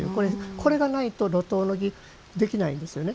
これがないと路頭の儀できないんですよね。